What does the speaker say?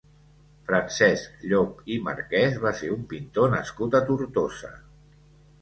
Francesc Llop i Marqués va ser un pintor nascut a Tortosa.